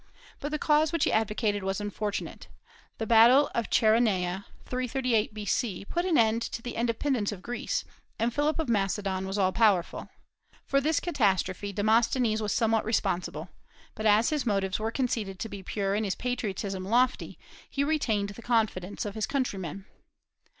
But the cause which he advocated was unfortunate; the battle of Cheronaea, 338 B.C., put an end to the independence of Greece, and Philip of Macedon was all powerful. For this catastrophe Demosthenes was somewhat responsible, but as his motives were conceded to be pure and his patriotism lofty, he retained the confidence of his countrymen.